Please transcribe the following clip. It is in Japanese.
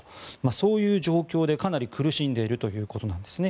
そういう状況でかなり苦しんでいるということです。